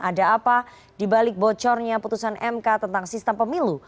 ada apa dibalik bocornya putusan mk tentang sistem pemilu